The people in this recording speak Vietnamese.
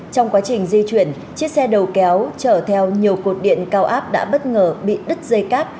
trong quá trình di chuyển chiếc xe đầu kéo chở theo nhiều cột điện cao áp đã bất ngờ bị đứt dây cáp